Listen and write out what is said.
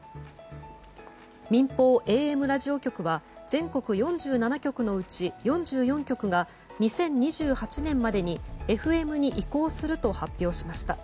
民放ＡＭラジオ局は全国４７局のうち４４局が２０２８年までにＦＭに移行すると発表しました。